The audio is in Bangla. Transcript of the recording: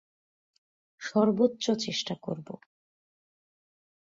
সর্বোচ্চ চেষ্টা করব।